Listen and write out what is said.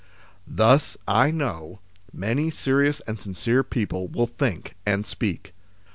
Thus, I know, many serious and sincere people will think and speak